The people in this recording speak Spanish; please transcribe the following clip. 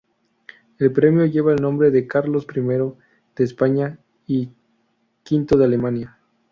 El premio lleva el nombre de Carlos I de España y V de Alemania.